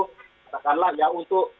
katakanlah ya untuk